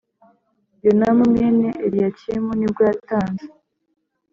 Yonamu mwene Eliyakimu nibwo yatanze